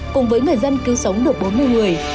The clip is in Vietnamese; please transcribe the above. cùng với người dân cứu sống được bốn mươi người